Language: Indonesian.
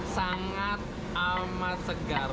sangat amat segar